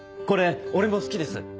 これ俺も好きです！